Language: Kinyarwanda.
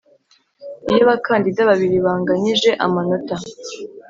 Iyo abakandida babiri banganyije amanota